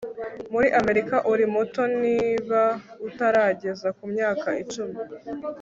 muri amerika, uri muto niba utarageza ku myaka icumi